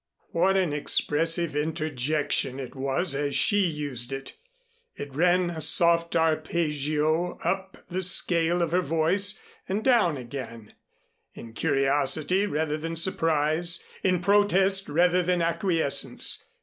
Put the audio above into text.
What an expressive interjection it was as she used it. It ran a soft arpeggio up the scale of her voice and down again, in curiosity rather than surprise, in protest rather than acquiescence.